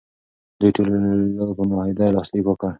دوی ټولو په معاهده لاسلیک وکړ.